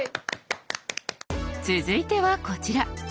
続いてはこちら。